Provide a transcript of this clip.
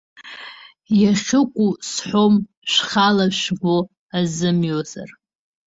Иахьыкәу сҳәом, шәхала шәгәы азымҩозар.